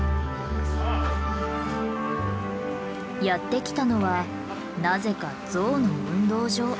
やってきたのはなぜかゾウの運動場。